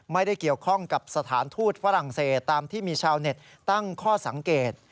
ไม่ได้เกี่ยวข้องกับสถานทูตฝรั่งเศสตามที่มีชาวเน็ตตั้งข้อสังเกต